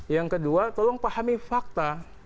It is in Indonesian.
yang kedua tolong pahami fakta